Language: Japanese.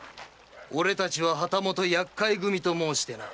俺たちは旗本厄介組と申してな。